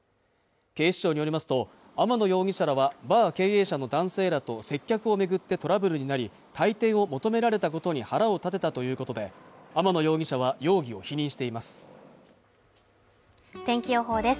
警視庁によりますと天野容疑者らはバー経営者の男性らと接客をめぐってトラブルになり退店を求められたことに腹を立てたということで天野容疑者は容疑を否認しています天気予報です